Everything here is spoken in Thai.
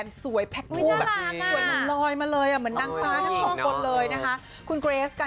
อ่อเดี๋ยวไม่สไพร์